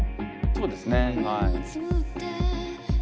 そうですねはい。